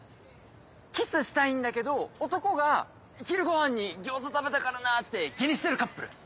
キスしたいんだけど男が「昼ごはんに餃子食べたからな」って気にしてるカップル。